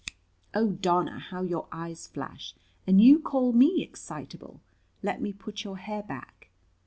"Oh, Donna, how your eyes flash! And you call me excitable! Let me put your hair back.